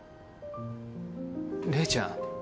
麗ちゃん